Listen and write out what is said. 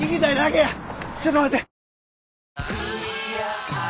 ちょっと待て。